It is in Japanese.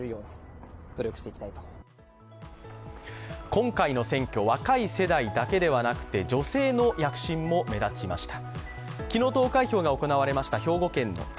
今回の選挙若い世代だけではなくて女性の躍進も目立ちました。